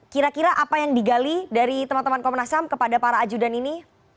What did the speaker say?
kira kira apa yang digali dari teman teman komnas ham kepada para ajudan ini